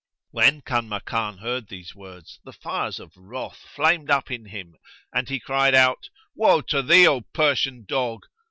When Kanmakan heard these words, the fires of wrath flamed up in him and he cried out, "Woe to thee, O Persian dog!